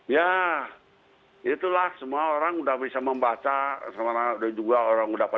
ya itulah semua orang sudah bisa membaca juga orang sudah pada tahu ya bagaimana gitu bagaimana pasaran gitu kan